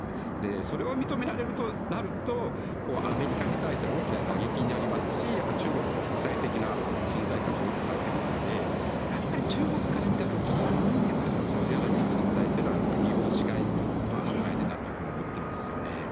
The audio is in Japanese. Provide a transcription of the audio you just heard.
それを認められるとなるとアメリカに対して大きな打撃になりますし中国の国際的な存在感は大きく変わってくるのでやっぱり中国から見た時にサウジアラビアの存在というのは利用しがいのある相手だと思っていますよね。